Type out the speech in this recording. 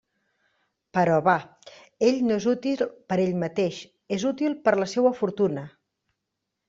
Però, bah, ell no és útil per ell mateix, és útil per la seua fortuna.